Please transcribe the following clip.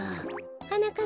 はなかっ